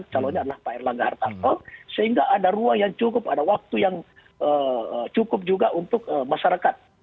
calonnya adalah pak erlangga hartarto sehingga ada ruang yang cukup ada waktu yang cukup juga untuk masyarakat